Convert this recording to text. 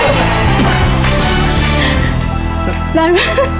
ได้ไหม